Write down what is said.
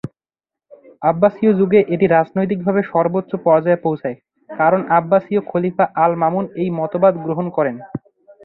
আব্বাসীয় যুগে এটি রাজনৈতিকভাবে সর্বোচ্চ পর্যায়ে পৌঁছায় কারণ আব্বাসীয় খলিফা আল-মামুন এই মতবাদ গ্রহণ করেন।